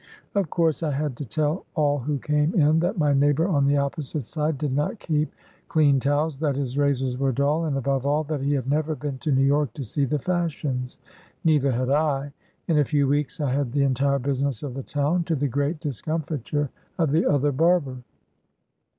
Of course, I had to tell all who came in that my neighbor on the opposite side did not keep clean towels, that his razors were dull, and, above all, that he had never been to New York to see the fashions. Neither had I ! In a few weeks, I had the entire business of the town, to the great discomfit ure of the other barber.